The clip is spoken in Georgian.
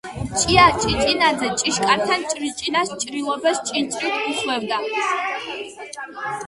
ჭია ჭიჭინაძე ჭიშკართან ჭრიჭინას ჭრილობას ჭინჭრით უხვევდა